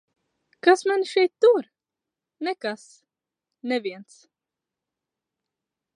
Kas mani šeit tur? Nekas. Neviens.